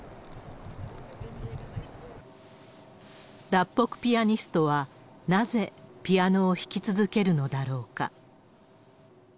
脱北ピアニストは、なぜピアノを弾き続けるのだろうか。